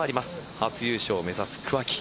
初優勝を目指す桑木。